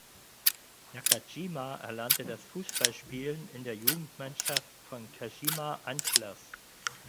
Nakajima erlernte das Fußballspielen in der Jugendmannschaft von Kashima Antlers.